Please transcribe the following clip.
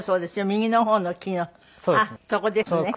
右の方の木のあっそこですね。